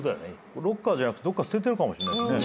ロッカーじゃなくてどっか捨ててるかもしれないし。